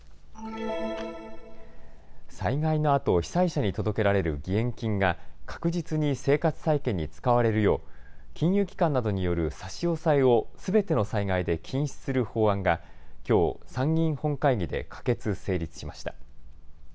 災害のあと被災者に届けられる義援金が確実に生活再建に使われるよう金融機関などによる差し押さえをすべての災害で禁止する法案がきょう、参議院本会議で可決・成立しました。